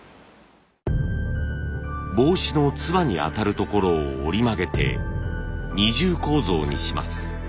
帽子のつばにあたる所を折り曲げて二重構造にします。